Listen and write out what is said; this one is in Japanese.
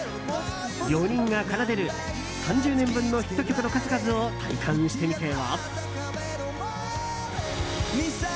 ４人が奏でる３０年分のヒット曲の数々を体感してみては？